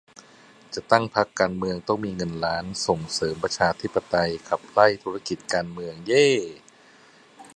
จะตั้งพรรคการเมืองต้องมีเงินล้าน ส่งเสริมประชาธิปไตย ขับไล่ธุรกิจการเมือง เย้ !